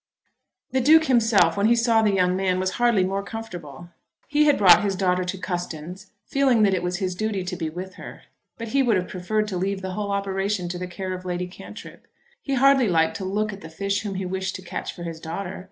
The Duke himself when he saw the young man was hardly more comfortable. He had brought his daughter to Custins, feeling that it was his duty to be with her; but he would have preferred to leave the whole operation to the care of Lady Cantrip. He hardly liked to look at the fish whom he wished to catch for his daughter.